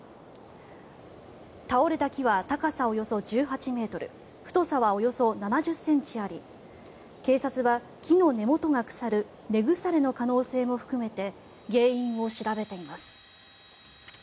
倒れた木は高さおよそ１８ｍ太さはおよそ７０ｃｍあり警察は、木の根元が腐る根腐れの可能性も含めて原因を調べています。